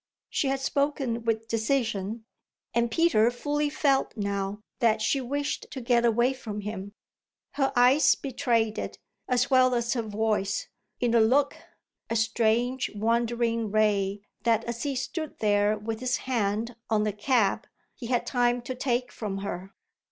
She had spoken with decision, and Peter fully felt now that she wished to get away from him. Her eyes betrayed it, as well as her voice, in a look, a strange, wandering ray that as he stood there with his hand on the cab he had time to take from her.